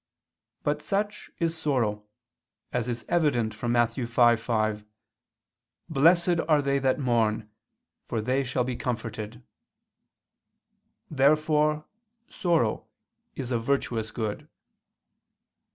But such is sorrow; as is evident from Matt. 5:5: "Blessed are they that mourn, for they shall be comforted." Therefore sorrow is a virtuous good.